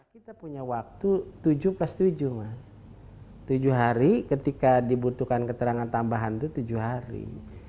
kita punya waktu tujuh plus tujuh hari ketika dibutuhkan keterangan tambahan itu tujuh hari